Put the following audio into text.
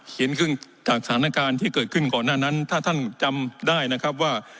จากสถานการณ์ที่เกิดขึ้นก่อนหน้านั้นถ้าท่านจำได้นะครับว่า